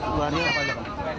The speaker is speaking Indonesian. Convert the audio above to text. dua hari apa aja